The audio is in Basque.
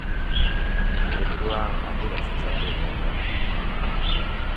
Nire burua arduratsutzat dut, jauna.